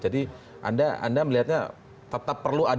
jadi anda melihatnya tetap protokol